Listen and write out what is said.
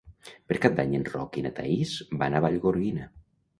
Per Cap d'Any en Roc i na Thaís van a Vallgorguina.